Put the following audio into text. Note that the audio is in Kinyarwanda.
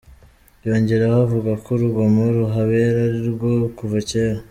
Yongeraho avuga ko urugomo ruhabera ari urwo kuva kera.